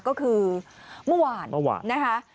ก็คือเมื่อวานนะคะ